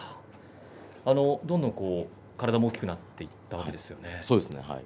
どんどん体も大きくなっていったわけですよね。